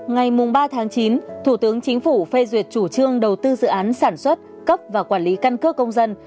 ngày ba chín thủ tướng chính phủ phê duyệt chủ trương đầu tư dự án sản xuất cấp và quản lý căn cước công dân